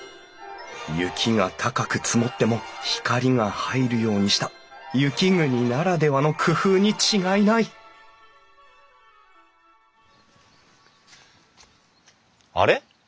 雪が高く積もっても光が入るようにした雪国ならではの工夫に違いないあれ？